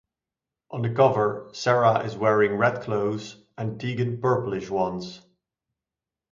On the cover, Sara is wearing red clothes and Tegan purple-ish ones.